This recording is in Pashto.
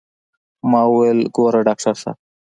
ما وويل ګوره ډاکتر صاحب.